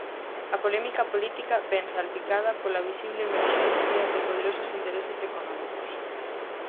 A polémica política vén salpicada pola visible emerxencia de poderosos intereses económicos.